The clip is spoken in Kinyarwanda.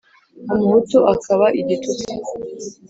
umuhutu akaba igitutsi